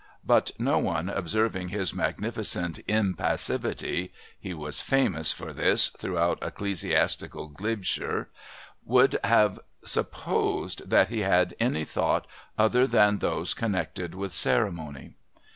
But no one observing his magnificent impassivity (he was famous for this throughout ecclesiastical Glebeshire) would have supposed that he had any thought other than those connected with ceremony.